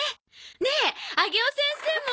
ねえ上尾先生も。